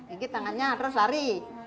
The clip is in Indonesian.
digit tangannya terus lari